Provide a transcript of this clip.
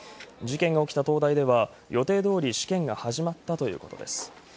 事件が起きた東大では、予定通り試験が始まったということです。